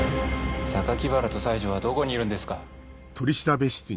原と西城はどこにいるんですか？